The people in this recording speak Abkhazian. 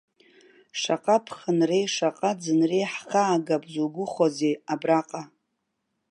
Шаҟа ԥхынреи, шаҟа ӡынреи ҳхаагап зугәахәуазеи абраҟа?